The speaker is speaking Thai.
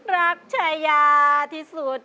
รักชายาที่สุด